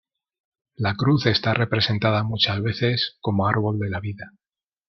La cruz está representada muchas veces como "árbol de la vida".